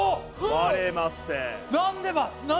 割れません。